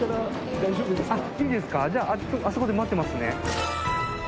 じゃああそこで待ってますね。